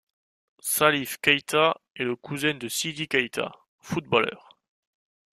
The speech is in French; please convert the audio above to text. Salif Keïta est le cousin de Sidi Keita, footballeur.